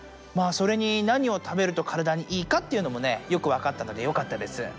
それになにを食べるとカラダにいいかっていうのもねよくわかったのでよかったです。